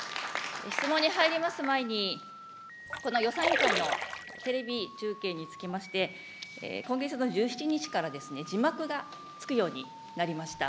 質問に入ります前に、この予算委員会のテレビ中継につきまして、今月の１７日から、字幕がつくようになりました。